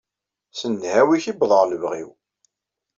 S nnhawi-k i wwḍeɣ lebɣi-w.